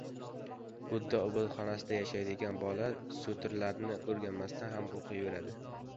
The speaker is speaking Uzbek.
• Budda ibodatxonasida yashaydigan bola sutralarni o‘rganmasdan ham o‘qiyveradi.